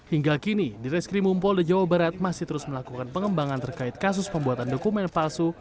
hingga kini di reskrimum polda jawa barat masih terus melakukan pengembangan terkait kasus pembuatan dokumen palsu